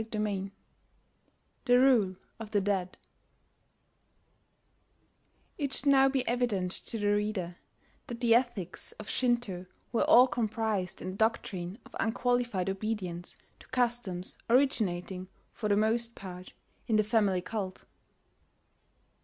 THE RULE OF THE DEAD It should now be evident to the reader that the ethics of Shinto were all comprised in the doctrine of unqualified obedience to customs originating, for the most part, in the family cult.